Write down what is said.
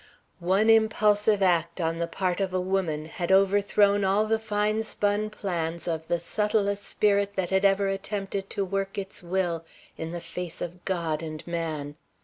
One impulsive act on the part of a woman had overthrown all the fine spun plans of the subtlest spirit that ever attempted to work its will in the face of God and man.